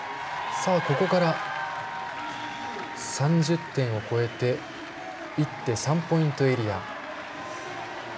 ここから３０点を超えて１手３ポイントエリア。